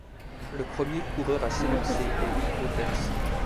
Le premier coureur à s'élancer est Nico Denz.